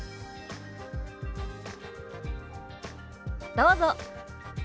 どうぞ。